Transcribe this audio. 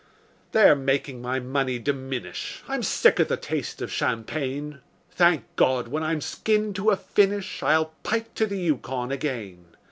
They're making my money diminish; I'm sick of the taste of champagne. Thank God! when I'm skinned to a finish I'll pike to the Yukon again.